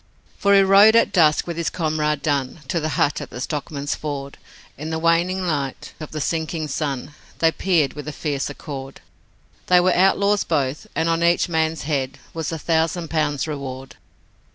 For he rode at dusk, with his comrade Dunn To the hut at the Stockman's Ford, In the waning light of the sinking sun They peered with a fierce accord. They were outlaws both and on each man's head Was a thousand pounds reward.